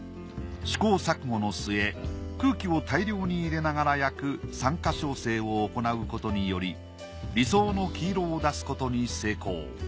試行錯誤のすえ空気を大量に入れながら焼く酸化焼成を行うことにより理想の黄色を出すことに成功。